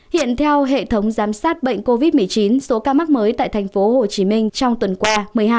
hiện theo hệ thống giám sát bệnh covid một mươi chín số ca mắc mới tại tp hcm trong tuần qua một mươi hai một mươi tám